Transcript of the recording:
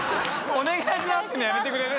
「お願いします」ってのやめてくれる？